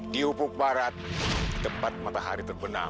di upuk barat tempat matahari terbenam